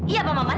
iya pak maman